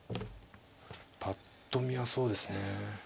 ぱっと見はそうですね。